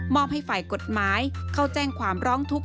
อบให้ฝ่ายกฎหมายเข้าแจ้งความร้องทุกข์